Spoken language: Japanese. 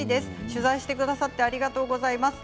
取材してくださってありがとうございます。